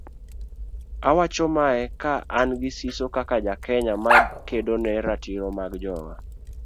Awacho mae ka an gi siso kaka ja Kenya makedo ne ratiro mag jowa